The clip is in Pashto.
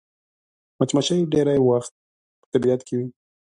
مچمچۍ ډېری وخت په طبیعت کې وي